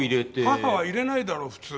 母は入れないだろ普通。